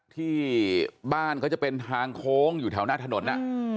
ที่บ้านเขาจะเป็นทางโค้งอยู่แถวหน้าถนน